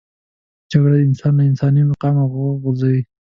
جګړه انسان له انساني مقامه غورځوي